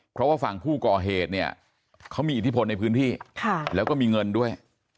เพราะว่าฝั่งผู้ก่อเหตุเนี่ยเขามีอิทธิพลในพื้นที่แล้วก็มีเงินด้วย